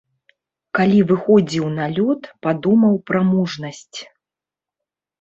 Калі выходзіў на лёд, падумаў пра мужнасць.